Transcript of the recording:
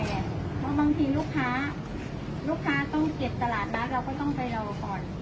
เพราะบางทีลูกค้าลูกค้าต้องเก็บตลาดนัดเราก็ต้องไปรอก่อน